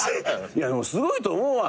でもすごいと思うわ。